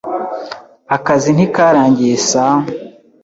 Akazi ntikarangiye saa .